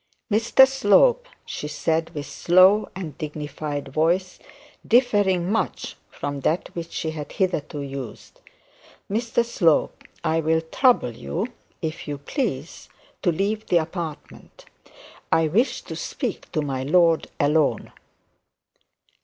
'Mr Slope,' she said, with slow and dignified voice, differing much from that which she had hitherto used, 'Mr Slope, I will trouble you, if you please, to leave the apartment. I wish to speak to my lord alone.'